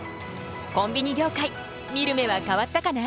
コンビニ業界見る目は変わったかな？